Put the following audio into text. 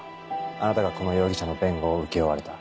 あなたがこの容疑者の弁護を請け負われた。